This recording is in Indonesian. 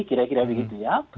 kira kira begitu ya